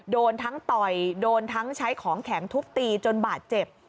โดนทั้งต่อยโดนทั้งใช้ของแข็งทุบตีจนบาดเจ็บ